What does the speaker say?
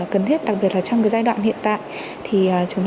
xin cảm ơn ông trương